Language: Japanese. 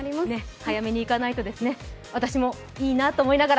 早めに行かないとですね、私もいいなと思いながら。